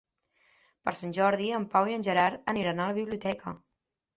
Per Sant Jordi en Pau i en Gerard aniran a la biblioteca.